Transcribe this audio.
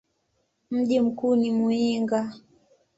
Mji mkuu ni Muyinga.